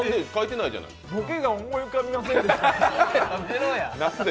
ボケが思い浮かびませんでした。